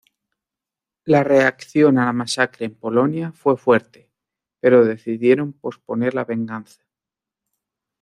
La reacción a la masacre en Polonia fue fuerte, pero decidieron posponer la venganza.